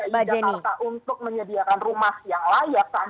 bagi bki jakarta untuk menyediakan rumah yang layak